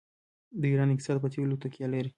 د ایران اقتصاد په تیلو تکیه لري.